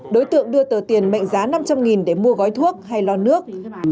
đối tượng đưa tờ tiền mệnh giá năm trăm linh để mua gói thuốc hay lo nước